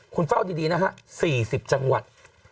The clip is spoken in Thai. คุณเฝ้าดีนะฮะ๔๐จังหวัด